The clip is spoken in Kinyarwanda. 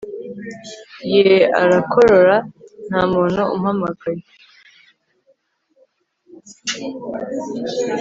yee Arakorora Nta muntu umpamagave